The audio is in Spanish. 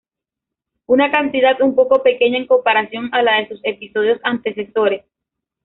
Una cantidad un poco pequeña en comparación a la de sus episodios antecesores.